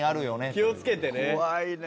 気をつけてね。